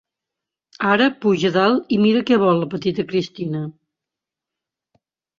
Ara puja dalt i mira què vol la petita Christina.